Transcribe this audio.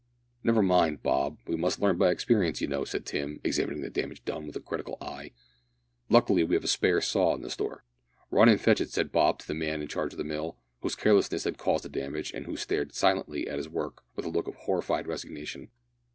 "Never mind, Bob, we must learn by experience, you know," said Tim, examining the damage done with a critical eye. "Luckily, we have a spare saw in the store." "Run and fetch it," said Bob to the man in charge of the mill, whose carelessness had caused the damage, and who stared silently at his work with a look of horrified resignation.